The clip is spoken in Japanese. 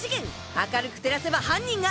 明るく照らせば犯人が！